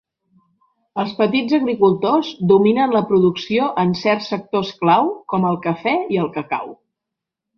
Els petits agricultors dominen la producció en certs sectors clau com el cafè i el cacau.